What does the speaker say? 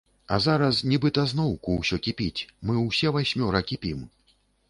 А зараз нібыта зноўку ўсё кіпіць, мы ўсе васьмёра кіпім.